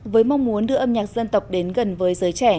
với mong muốn đưa âm nhạc dân tộc đến gần với giới trẻ